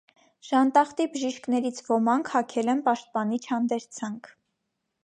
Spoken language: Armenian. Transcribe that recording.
Ժանտախտի բժիշկներից ոմանք հագել են պաշտպանիչ հանդերձանք։